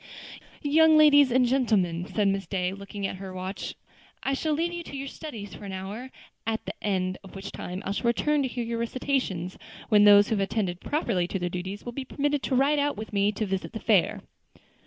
"Young ladies and gentlemen," said Miss Day, looking at her watch, "I shall leave you to your studies for an hour; at the end of which time I shall return to hear your recitations, when those who have attended properly to their duties will be permitted to ride out with me to visit the fair."